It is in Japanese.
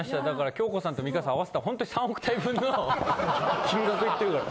恭子さんと美香さん合わせたらホントに３億体分の金額いってるから。